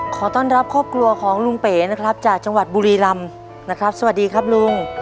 ขอต้อนรับครอบครัวของลุงเป๋นะครับจากจังหวัดบุรีรำนะครับสวัสดีครับลุง